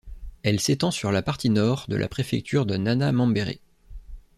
Elle s’étend sur la partie nord de la préfecture de Nana-Mambéré.